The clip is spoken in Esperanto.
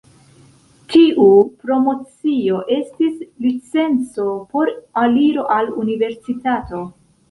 Tiu promocio estis licenco por aliro al universitato.